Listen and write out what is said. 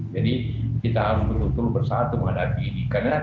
jadi kita harus betul betul bersatu menghadapi ini